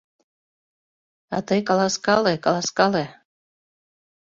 А тый каласкале, каласкале.